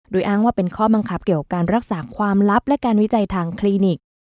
โดยอ้างว่าเป็นข้อบังคับเกี่ยวกับการรักษาความลับและการวิจัยทางคลินิก